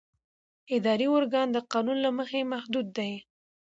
اداري ارګان د قانون له مخې محدود دی.